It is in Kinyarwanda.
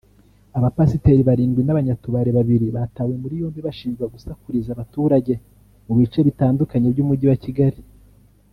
Abapasiteri barindwi n’abanyatubare babiri batawe muri yombi bashinjwa gusakuriza abaturage mu bice bitandukanye by’Umujyi wa Kigali